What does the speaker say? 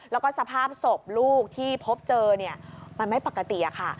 แล้วก็สภาพศพลูกที่พบเจอมันไม่ปกติค่ะ